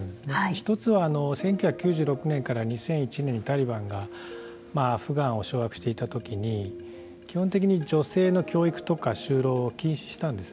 １つは１９９６年から２００１年にタリバンがアフガンを掌握していたときに基本的に女性の教育とか就労を禁止したんです。